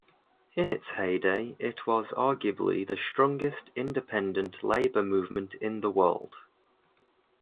In its heyday it was arguably the strongest independent labour movement in the world.